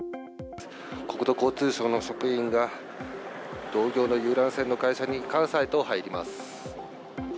国土交通省の職員が同業の遊覧船の会社へ監査へと入ります。